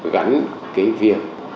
gắn cái việc